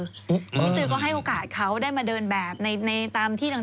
คุณพี่ตือก็ให้โอกาสเขาได้มาเดินแบบในตามที่ต่าง